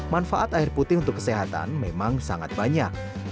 manfaat air putih untuk kesehatan memang sangat banyak